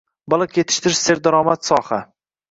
Baliq yetishtirish serdaromad sohang